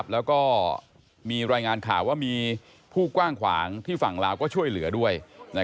แล้วก็มีรายงานข่าวว่ามีผู้กว้างขวางที่ฝั่งลาวก็ช่วยเหลือด้วย